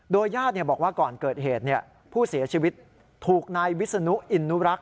โดยญาติบอกว่าก่อนเกิดเหตุผู้เสียชีวิตถูกนายวิศนุอินนุรักษ